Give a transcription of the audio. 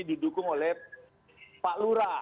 didukung oleh pak lura